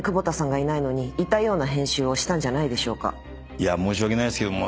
いや申し訳ないですけども。